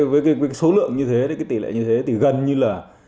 với cái số lượng như thế thì cái tỷ lệ như thế thì gần như là